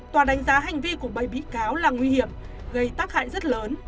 tòa đánh giá hành vi của bảy bị cáo là nguy hiểm gây tác hại rất lớn